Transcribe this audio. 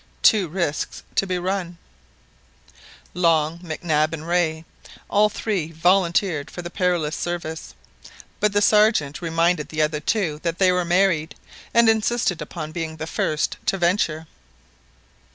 Two risks to be run ! Long, Mac Nab, and Rae, all three volunteered for the perilous service; but the Sergeant reminded the other two that they were married, and insisted upon being the first to venture.